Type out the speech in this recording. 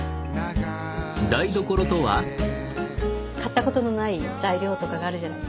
買ったことのない材料とかがあるじゃない。